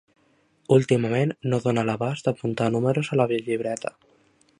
Últimament no dóna l'abast d'apuntar números a la llibreta.